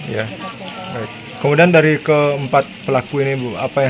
jadi cukup maju phase turun sampai fans yg biasanya missing